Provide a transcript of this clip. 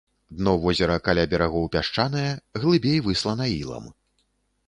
Дно возера каля берагоў пясчанае, глыбей выслана ілам.